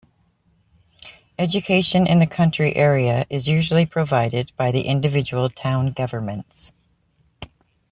Education in the county area is usually provided by the individual town governments.